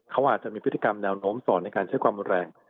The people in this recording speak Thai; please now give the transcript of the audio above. เขาอาจจะมีพฤติกรรมแนวโน้มสอนในการใช้ความรุนแรง